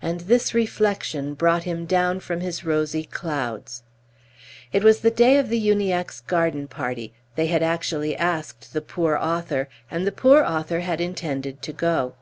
And this reflection brought him down from his rosy clouds. It was the day of the Uniacke's garden party; they had actually asked the poor author, and the poor author had intended to go.